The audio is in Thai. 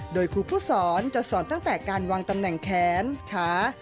โดยครูผู้สอนจะสอนตั้งแต่การวางตำแหน่งแขนขา